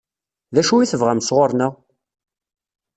D acu i tebɣam sɣur-neɣ?